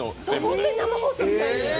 本当に生放送みたいに。